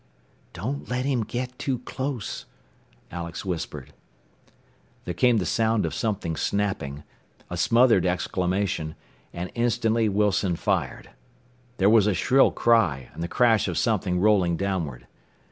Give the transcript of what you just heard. "Don't let him get too close," Alex whispered. There came the sound of something snapping, a smothered exclamation, and instantly Wilson fired. There was a shrill cry, and the crash of something rolling downward.